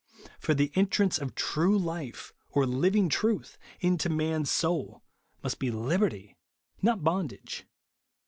For the entrance of true life, or living truth, into man's soul, must be liberty, not bondage.